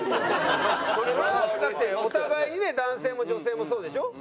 それはだってお互いにね男性も女性もそうでしょ？